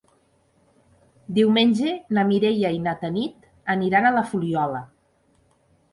Diumenge na Mireia i na Tanit aniran a la Fuliola.